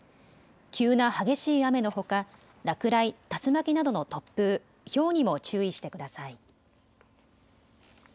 急な激しい雨のほか、落雷、竜巻などの突風、ひょうにも注意してください。